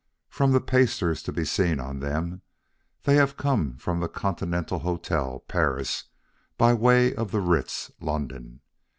From the pasters to be seen on them, they have come from the Continental Hotel, Paris, by way of the Ritz, London.